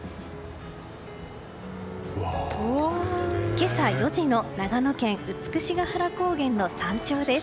今朝４時の長野県美ヶ原高原の山頂です。